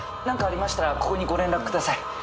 何かありましたらここにご連絡ください。